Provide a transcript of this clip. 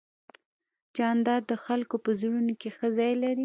جانداد د خلکو په زړونو کې ښه ځای لري.